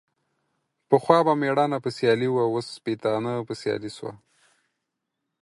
پخوا به ميړانه په سيالي وه ، اوس سپيتانه په سيالي سوه.